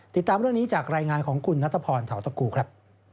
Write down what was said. ติดตามเรื่องนี้จากรายงานของคุณนัทพรเทาตะกูครับ